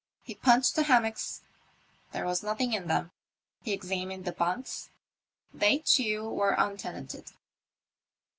He punched the hammocks, there was nothing in them; he examined the bunks, they too were un tenanted.